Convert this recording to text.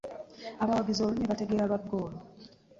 Abawagizi olulimi bategeera lwa ggoolo.